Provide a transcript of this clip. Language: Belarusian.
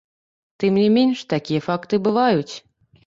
Тым не менш, такія факты бываюць.